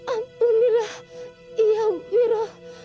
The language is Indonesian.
ampunilah iyam wira